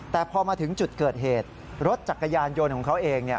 แต่พอมาถึงจุดเกิดเหตุรถจักรยานยนต์ของเขาเอง